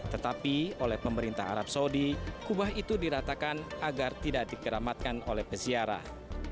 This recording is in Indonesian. tetapi oleh pemerintah arab saudi kubah itu diratakan agar tidak dikeramatkan oleh peziarah